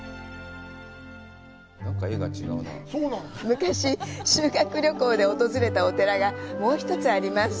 昔、修学旅行で訪れたお寺がもう一つ、あります。